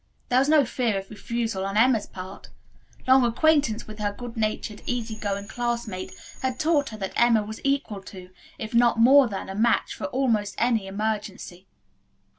There was no fear of refusal on Emma's part. Long acquaintance with her good natured, easy going classmate had taught her that Emma was equal to, if not more than a match for, almost any emergency.